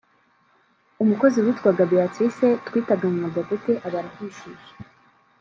umukozi witwaga Béatrice twitaga Maman Gatete aba arahishije